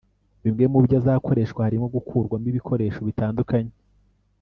bimwe mubyo azakoreshwa harimo gukurwamo ibikoresho bitandukanye